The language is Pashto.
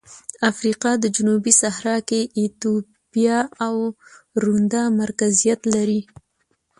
افریقا جنوبي صحرا کې ایتوپیا او روندا مرکزیت لري.